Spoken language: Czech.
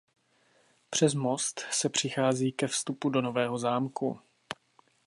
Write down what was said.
Přes most se přichází ke vstupu do nového zámku.